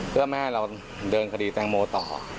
เพื่อไม่ให้เราเดินคดีแตงโมต่อ